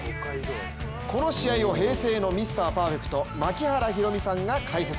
この試合を、平成のミスターパーフェクト・槙原寛己さんが解説。